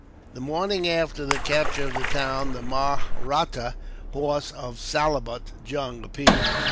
The morning after the capture of the town, the Mahratta horse of Salabut Jung appeared.